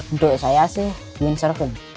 untuk saya sih min seregun